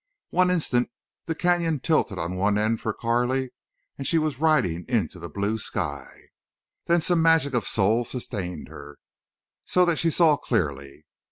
One instant the canyon tilted on end for Carley and she was riding into the blue sky. Then some magic of soul sustained her, so that she saw clearly.